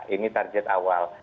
ini target awal